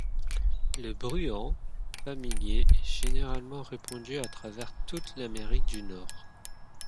Le Bruant familier est largement répandu à travers toute l'Amérique du Nord.